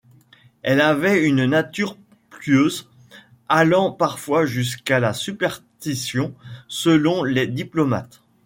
Elle avait une nature pieuse, allant parfois jusqu'à la superstition selon les diplomates.